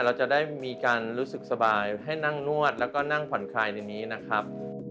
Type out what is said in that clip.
เราจะได้มีการรู้สึกสบายให้นั่งนวดแล้วก็นั่งผ่อนคลายในนี้นะครับ